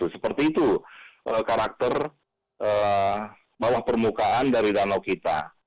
seperti itu karakter bawah permukaan dari danau kita